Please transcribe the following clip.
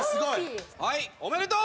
はいおめでとう！